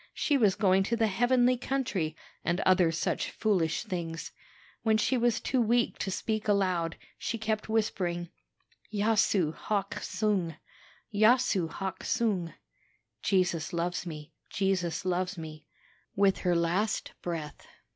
She was going to the heavenly country, and other such foolish things. When she was too weak to speak aloud, she kept whispering, 'Yasu hock sung; Yasu hock sung' (Jesus loves me; Jesus loves me), with her last breath.